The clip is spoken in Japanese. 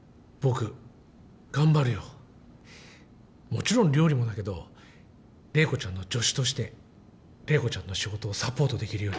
もちろん料理もだけど麗子ちゃんの助手として麗子ちゃんの仕事をサポートできるよう。